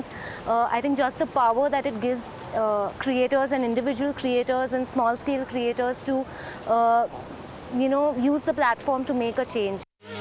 saya pikir hanya kekuatan yang diberikan oleh kreator dan kreator individu dan kreator kecil kecil untuk menggunakan platform ini untuk membuat perubahan